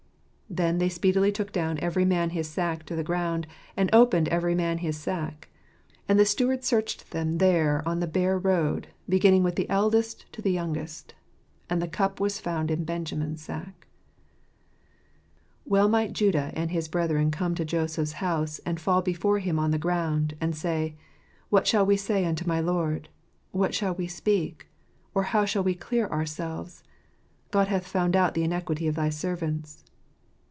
"Then they speedily took down every man his sack to the ground, and opened every man his sack." And the steward searched them there on the bare road, beginning with the eldest to the youngest, " and the cup was found in Benjamins sack Well might Judah and his brethren come to Joseph's house and fall before him on the ground, and say, " What shall we say unto my lord ? What shall we speak? or how shall we clear ourselves? God hath found out the iniquity of thy servants."